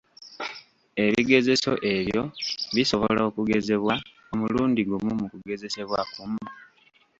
Ebigezeso ebyo bisobola okugezebwa, omulundi gumu mu kugezesebwa kumu.